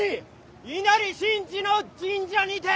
稲荷新地の神社にて！